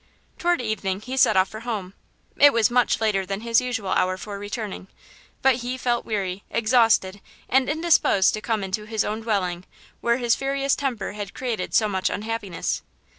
Toward evening he set off for home. It was much later than his usual hour for returning; but he felt weary, exhausted and indisposed to come into his own dwelling where his furious temper had created so much unhappiness.